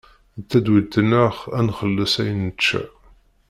D tadwilt-nneɣ ad nxelles ayen nečča.